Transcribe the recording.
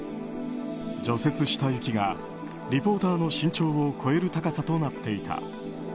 除雪した雪がリポーターの身長を超える高さとなっていた。